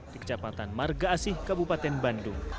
di kecamatan marga asih kabupaten bandung